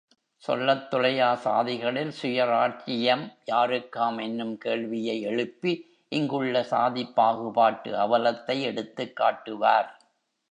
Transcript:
சொல்லத்துலையா சாதிகளில் சுயராட்சியம் யாருக்காம் என்னும் கேள்வியை எழுப்பி இங்குள்ள சாதிப்பாகுபாட்டு அவலத்தை எடுத்துக் காட்டுவார்.